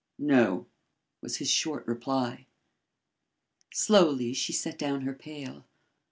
"No," was his short reply. Slowly she set down her pail.